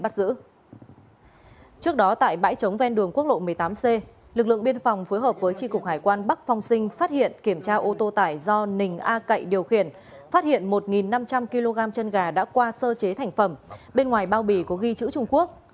trước đó tại bãi trống ven đường quốc lộ một mươi tám c lực lượng biên phòng phối hợp với tri cục hải quan bắc phong sinh phát hiện kiểm tra ô tô tải do nình a cậy điều khiển phát hiện một năm trăm linh kg chân gà đã qua sơ chế thành phẩm bên ngoài bao bì có ghi chữ trung quốc